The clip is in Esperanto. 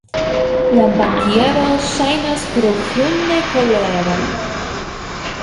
La bankiero ŝajnas profunde kolera.